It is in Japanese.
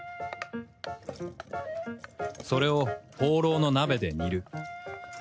それをほうろうの鍋で煮る。